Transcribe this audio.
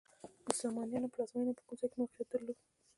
د سامانیانو پلازمینه په کوم ځای کې موقعیت درلود؟